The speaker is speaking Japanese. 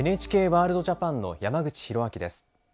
「ＮＨＫワールドＪＡＰＡＮ」の山口寛明です。